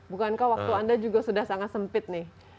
bukankah waktu anda juga sudah sangat sempit nih